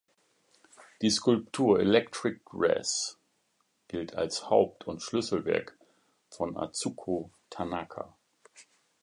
Die Skulptur "Electric Dress" gilt als Haupt- und Schlüsselwerk von Atsuko Tanaka.